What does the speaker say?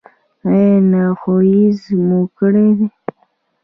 ایا تعویذ مو کړی دی؟